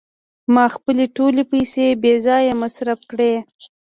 ما خپلې ټولې پیسې بې ځایه مصرف کړې.